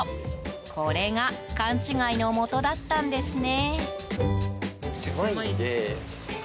これが勘違いの元だったんですね。